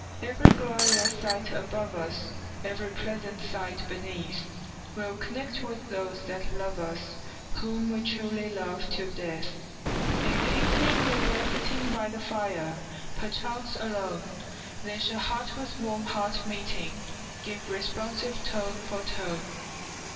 Every glorious sight above us, Every pleasant sight beneath, We'll connect with those that love us, Whom we truly love till death! In the evening, when we're sitting By the fire, perchance alone, Then shall heart with warm heart meeting, Give responsive tone for tone.